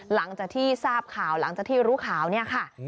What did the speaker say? หลังจากที่ทราบข่าวหลังจากที่รู้ข่าวเนี่ยค่ะ